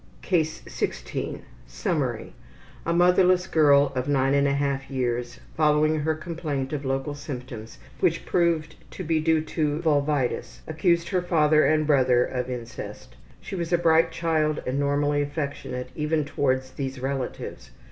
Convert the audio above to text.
CASE 16 Summary: A motherless girl of 9 1/2 years, following her complaint of local symptoms, which proved to be due to vulvitis, accused her father and brother of incest. She was a bright child and normally affectionate, even towards these relatives.